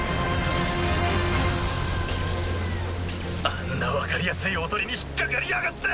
あんな分かりやすい囮に引っ掛かりやがって！